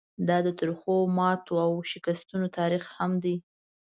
دا د ترخو ماتو او شکستونو تاریخ هم دی.